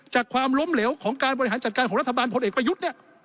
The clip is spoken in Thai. จากความล้มเหลวของการบริหารจัดการของรัฐบาลผลอีกพยุทธ